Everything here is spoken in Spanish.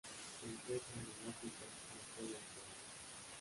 Se encuentran en Africa, Asia y Australia.